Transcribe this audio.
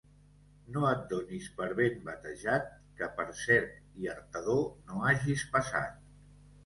No et donis per ben batejat que per Cerc i Artedó no hagis passat.